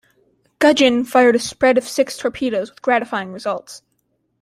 "Gudgeon" fired a spread of six torpedoes with gratifying results.